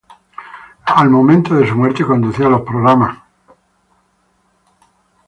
Al momento de su muerte, conducía los programas "E!